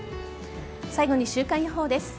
最後に週間予報です。